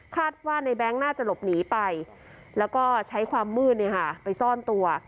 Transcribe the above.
ว่าในแบงค์น่าจะหลบหนีไปแล้วก็ใช้ความมืดไปซ่อนตัว